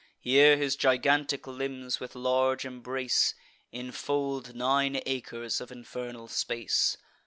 Here his gigantic limbs, with large embrace, Infold nine acres of infernal space.